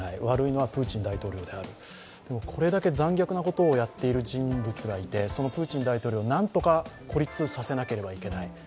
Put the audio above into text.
悪いのはプーチン大統領であるでも、これだけ残虐なことをやっている人物がいてそのプーチン大統領、何とか孤立させなければいけない。